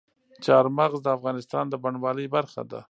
چار مغز د افغانستان د بڼوالۍ برخه ده.